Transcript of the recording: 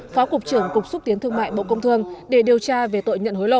phó cục trưởng cục xúc tiến thương mại bộ công thương để điều tra về tội nhận hối lộ